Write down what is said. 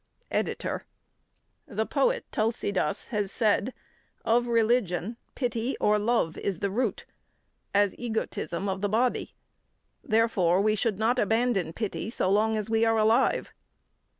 EDITOR: The poet Tulsidas has said: "Of religion, pity or love is the root, as egotism of the body. Therefore, we should not abandon pity so long as we are alive."